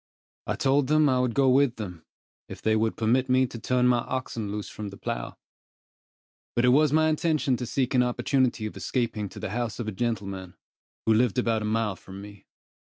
I told them I would go with them, if they would permit me to turn my oxen loose from the plough; but it was my intention to seek an opportunity of escaping to the house of a gentleman, who lived about a mile from me.